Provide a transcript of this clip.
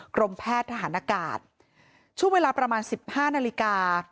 กรมแพทย์ทหารอากาศช่วงเวลาประมาณ๑๕นาฬิกา